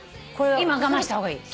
今我慢した方がいい。